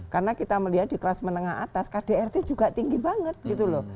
karena kita melihat di kelas menengah atas kdrt juga tinggi banget gitu loh